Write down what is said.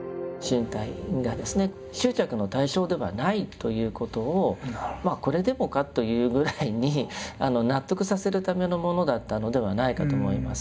ということをこれでもかというぐらいに納得させるためのものだったのではないかと思います。